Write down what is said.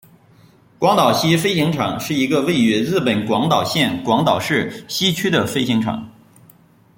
广岛西飞行场是一个位于日本广岛县广岛市西区的飞行场。